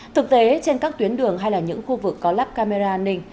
thực tế trên các tuyến đường hay là những khu vực có lắp camera an ninh